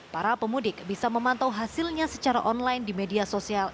para pemudik bisa memantau hasilnya secara online di media sosial